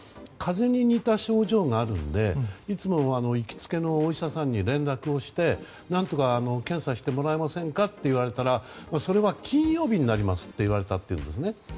風邪に似た症状があるのでいつも行きつけのお医者さんに連絡して、何とか検査してもらえませんかと聞いたらそれは金曜日になりますって言われたんですね。